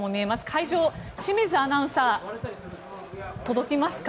会場、清水アナウンサー届きますか？